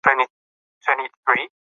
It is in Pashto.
رابعه په صالون کې خپله مېړه یادوي.